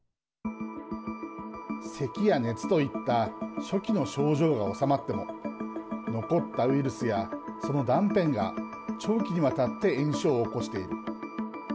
せきや熱といった初期の症状が治まっても残ったウイルスや、その断片が長期にわたって炎症を起こしている。